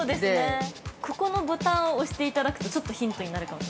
◆ここのボタンを押していただくと、ヒントになるかも。